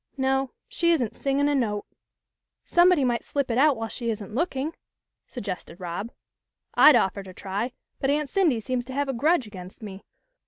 No, she isn't singin' a note." " Somebody might slip it out while she isn't look ing," suggested Rob. " I'd offer to try, but Aunt Cindy seems to have a grudge against me.